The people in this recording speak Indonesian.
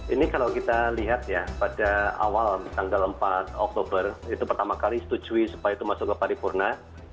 ini kalau kita lihat ya pada awal tanggal empat oktober itu pertama kali setujui supaya itu masuk ke paripurna